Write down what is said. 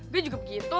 gue juga begitu